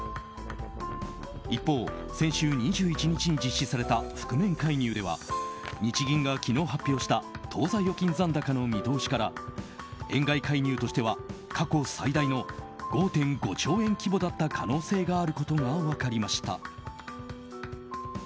一方、先週２１日に実施された覆面介入では日銀が昨日発表した当座預金残高の見通しから円買い介入としては過去最大の５．５兆円規模だった可能性があることが分かりました。